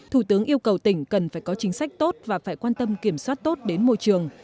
thủ tướng yêu cầu tỉnh cần phải có chính sách tốt và phải quan tâm kiểm soát tốt đến môi trường